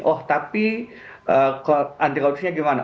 oh tapi anti kondusinya bagaimana